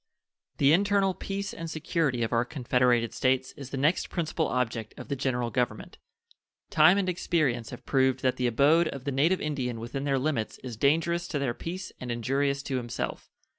The internal peace and security of our confederated States is the next principal object of the General Government. Time and experience have proved that the abode of the native Indian within their limits is dangerous to their peace and injurious to himself.